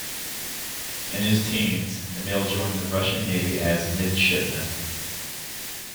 In his teens, Emil joined the Russian Navy as a midshipman.